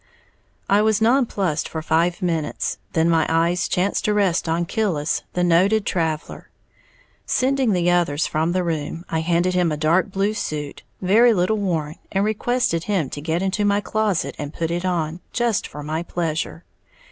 I was non plussed for five minutes; then my eyes chanced to rest on Killis, the noted traveller. Sending the others from the room, I handed him a dark blue suit, very little worn, and requested him to get into my closet and put it on, just for my pleasure.